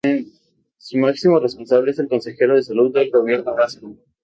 Su máximo responsable es el consejero de Salud del Gobierno Vasco.